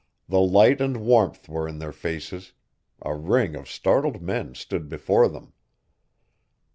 The light and warmth were in their faces. A ring of startled men stood before them.